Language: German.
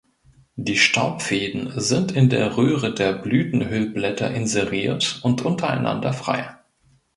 Die Staubfäden sind in der Röhre der Blütenhüllblätter inseriert und untereinander frei.